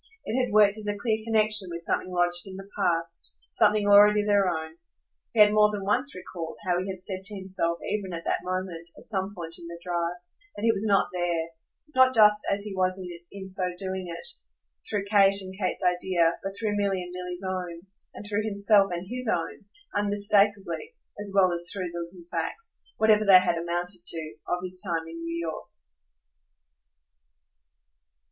It had worked as a clear connexion with something lodged in the past, something already their own. He had more than once recalled how he had said to himself even at that moment, at some point in the drive, that he was not THERE, not just as he was in so doing it, through Kate and Kate's idea, but through Milly and Milly's own, and through himself and HIS own, unmistakeably as well as through the little facts, whatever they had amounted to, of his time in New York.